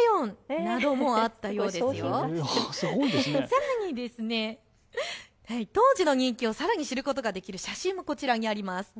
さらに当時の人気をさらに知ることができる写真もこちらにあります。